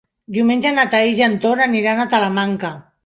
Diumenge na Thaís i en Ton aniran a Talamanca.